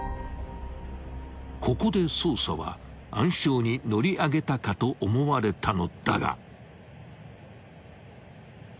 ［ここで捜査は暗礁に乗り上げたかと思われたのだが］